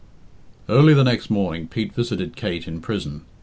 Early the next morning Pete visited Kate in prison.